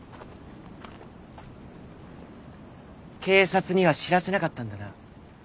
警察には知らせなかったんだな。